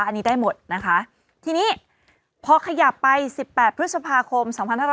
อันนี้ได้หมดนะคะทีนี้พอขยับไป๑๘พฤษภาคม๒๕๕๙